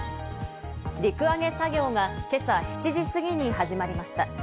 陸揚げ作業が今朝７時すぎに始まりました。